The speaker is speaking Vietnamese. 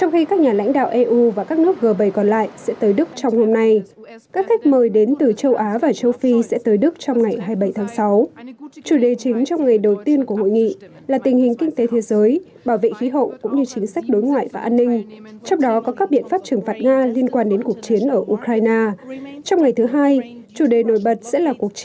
hãy đăng ký kênh để ủng hộ kênh của mình nhé